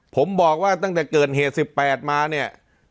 ผมบอกว่าตั้งแต่เกิดเหตุ๑๘มาเนี่ย